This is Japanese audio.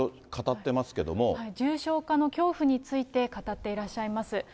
重症化の恐怖について語っていらっしゃいます。